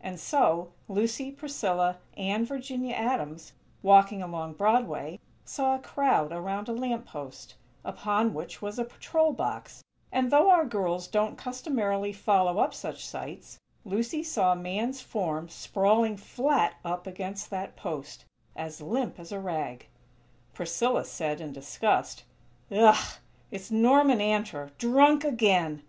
And so, Lucy, Priscilla, and Virginia Adams, walking along Broadway, saw a crowd around a lamp post, upon which was a patrol box; and, though our girls don't customarily follow up such sights, Lucy saw a man's form sprawling flat up against that post, as limp as a rag. Priscilla said, in disgust: "Ugh!! It's Norman Antor! Drunk again!!"